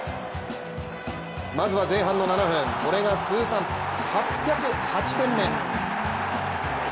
まずは前半の７分これが通算８０８点目。